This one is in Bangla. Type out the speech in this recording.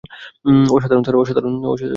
অসাধারণ, স্যার!